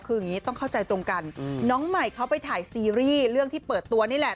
คืออย่างนี้ต้องเข้าใจตรงกันน้องใหม่เขาไปถ่ายซีรีส์เรื่องที่เปิดตัวนี่แหละ